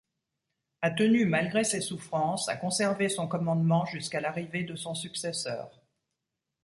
A tenu malgré ses souffrances à conserver son commandement jusqu'à l’arrivée de son successeur.